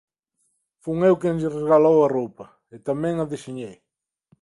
Fun eu quen lles regalou a roupa… E tamén a deseñei…